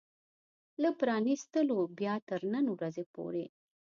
له پرانيستلو بيا تر نن ورځې پورې